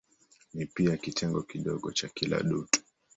Ni pia kitengo kidogo cha kila dutu.